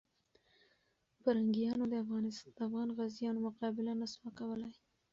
پرنګیانو د افغان غازیانو مقابله نه سوه کولای.